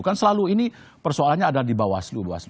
kan selalu ini persoalannya ada di bawaslu